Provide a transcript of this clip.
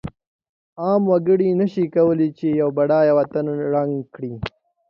عام وګړی نشی کولای چې یو بډایه وطن ړنګ کړی.